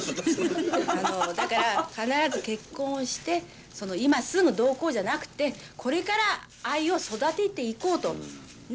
だから、必ず結婚をして、今すぐどうこうじゃなくて、これから愛を育てていこうと。ね？